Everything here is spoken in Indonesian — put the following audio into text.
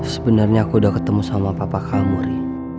sebenarnya aku udah ketemu sama papa kamu ri